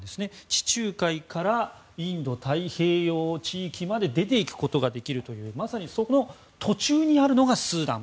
地中海からインド太平洋地域まで出ていくことができるというまさに、その途中にあるのがスーダン。